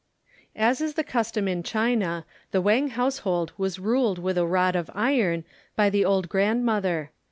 As is the custom in China the Wang household was ruled with a rod of iron by the old grandmother.